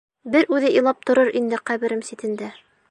Бер үҙе илап торор инде ҡәберем ситендә.